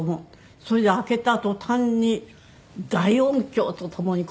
それで開けた途端に大音響とともに転げ落ちてね。